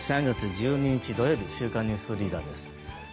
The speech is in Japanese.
３月１２日、土曜日「週刊ニュースリーダー」です。